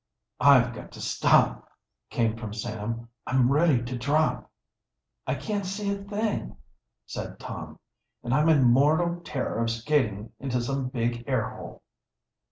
"I've got to stop," came from Sam. "I'm ready to drop." "I can't see a thing," said Tom. "And I'm in mortal terror of skating into some big air hole."